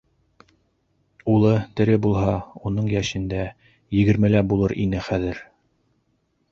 Улы, тере булһа, уның йәшендә, егермелә булыр ине хәҙер.